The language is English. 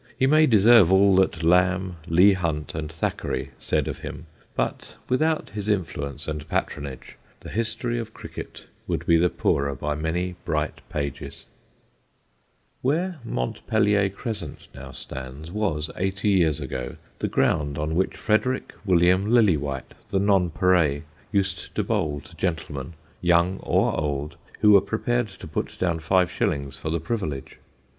He may deserve all that Lamb, Leigh Hunt, and Thackeray said of him, but without his influence and patronage the history of cricket would be the poorer by many bright pages. [Sidenote: THE NONPAREIL] Where Montpellier Crescent now stands, was, eighty years ago, the ground on which Frederick William Lillywhite, the Nonpareil, used to bowl to gentlemen young or old who were prepared to put down five shillings for the privilege.